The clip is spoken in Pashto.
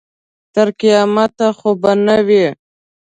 تر قیامته خو به نه وي.